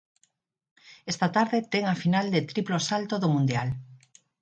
Esta tarde ten a final de triplo salto do mundial.